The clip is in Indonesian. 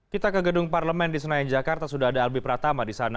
kita ke gedung parlemen di senayan jakarta sudah ada albi pratama di sana